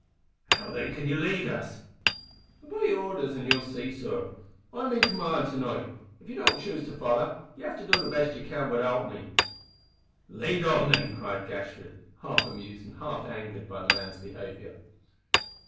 "How then can you lead us?" "Obey orders, an' you'll see, sor. I'm in command to night. If ye don't choose to foller, ye'll have to do the best ye can widout me." "Lead on, then," cried Gashford, half amused and half angered by the man's behaviour.